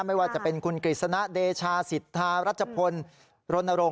ไม่ว่าจะเป็นคุณกฤษณะเดชาสิทธารัชพลรณรงค